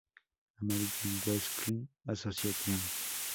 American Wrestling Association